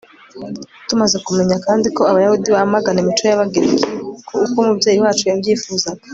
tumaze kumenya kandi ko abayahudi bamagana imico y'abagereki uko umubyeyi wacu yabyifuzaga